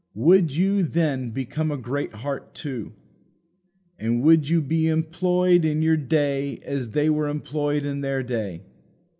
Would you, then, become a Greatheart too? And would you be employed in your day as they were employed in their day?